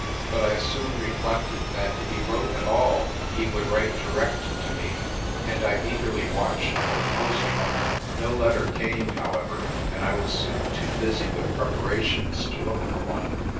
But I soon reflected that if he wrote at all he would write direct to me, and I eagerly watched for the post runner. No letter came, however, and I was soon too busy with preparations to look for one.